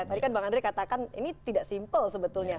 tadi kan bang andri katakan ini tidak simple sebetulnya